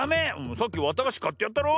さっきわたがしかってやったろ。